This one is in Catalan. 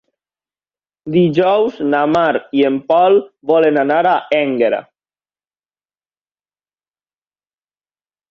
Dijous na Mar i en Pol volen anar a Énguera.